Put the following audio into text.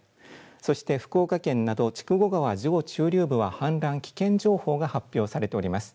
そして福岡県など、筑後川上中流部は、危険氾濫情報が発表されております。